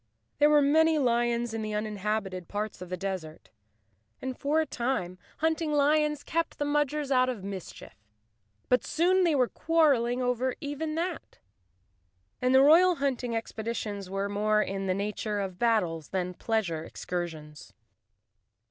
There were many lions in the uninhabited parts of the des¬ ert, and for a time hunting lions kept the Mudgers out of mischief. But soon they were quarreling over even that, and the royal hunting expeditions were more in the nature of battles than pleasure excursions.